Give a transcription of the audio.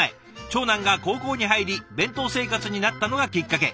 長男が高校に入り弁当生活になったのがきっかけ。